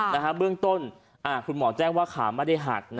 เบื้องต้นคุณหมอแจ้งว่าขาไม่ได้หัก